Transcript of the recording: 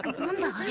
あれ。